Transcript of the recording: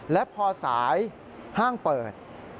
และพอสายห้างเปิด